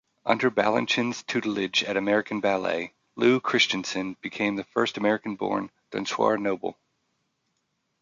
Under Balanchine's tutelage at American Ballet, Lew Christensen became the first American-born "danseur noble".